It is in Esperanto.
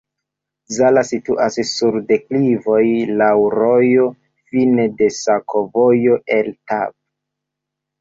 Zala situas sur deklivoj, laŭ rojo, fine de sakovojo el Tab.